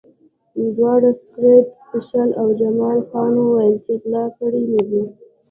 دواړو سګرټ څښل او جمال خان وویل چې غلا کړي مې دي